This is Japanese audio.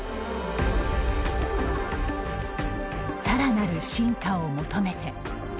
さらなる進化を求めて。